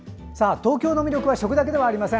東京の魅力は食だけではありません。